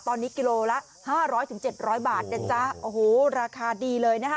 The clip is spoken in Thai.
ตอนนี้กิโลละ๕๐๐๗๐๐บาทนะจ๊ะโอ้โหราคาดีเลยนะคะ